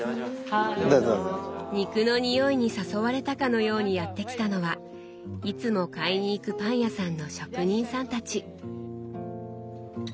肉の匂いに誘われたかのようにやって来たのはいつも買いに行くパン屋さんの職人さんたち。